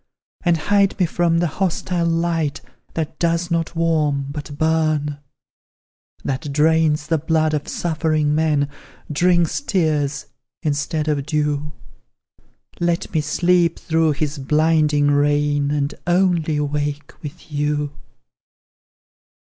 And hide me from the hostile light That does not warm, but burn; That drains the blood of suffering men; Drinks tears, instead of dew; Let me sleep through his blinding reign, And only wake with you!